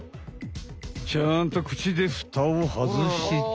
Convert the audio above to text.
ちゃんとくちでフタをはずして。